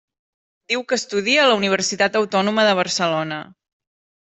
Diu que estudia a la Universitat Autònoma de Barcelona.